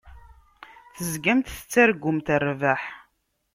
Tezgamt tettargumt rrbeḥ.